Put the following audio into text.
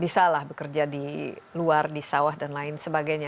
bisa lah bekerja di luar di sawah dan lain sebagainya